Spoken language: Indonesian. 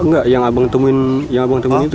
enggak yang abang temuin itu